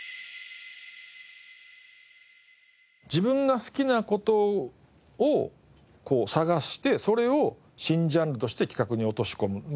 自分が好きな事を探してそれを新ジャンルとして企画に落とし込む。